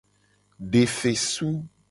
De fesu.